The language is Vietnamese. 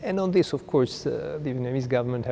chính phủ việt nam phải làm việc